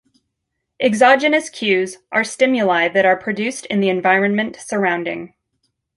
Exogenous cues are stimuli that are produced in the environment surrounding.